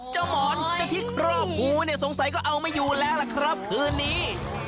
หมอนเจ้าที่ครอบงูเนี่ยสงสัยก็เอาไม่อยู่แล้วล่ะครับคืนนี้